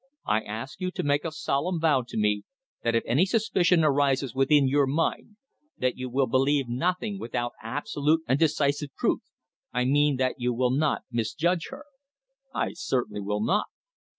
I ask you to make a solemn vow to me that if any suspicion arises within your mind, that you will believe nothing without absolute and decisive proof. I mean that you will not misjudge her." "I certainly will not."